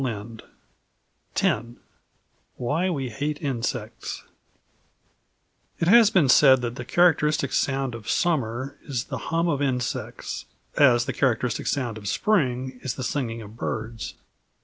X WHY WE HATE INSECTS It has been said that the characteristic sound of summer is the hum of insects, as the characteristic sound of spring is the singing of birds.